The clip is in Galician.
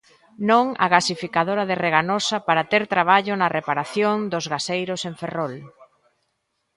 Non á gasificadora de Reganosa para ter traballo na reparación dos gaseiros en Ferrol.